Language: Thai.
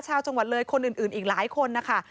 ชาวจังหวัดเลยคนอื่นอีกหลายคนนะคะ